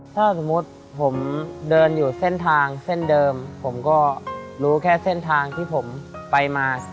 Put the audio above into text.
ถ้าสมมุติผมเดินอยู่เส้นทางเส้นเดิมผมก็รู้แค่เส้นทางที่ผมไปมา